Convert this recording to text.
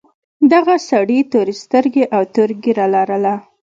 دغه سړي تورې سترګې او تور ږیره لرله.